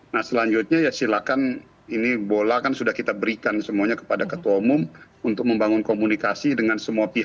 nah selanjutnya ya silakan ini bola kan sudah kita berikan semuanya kepada ketua umum untuk membangun komunikasi dengan semua pihak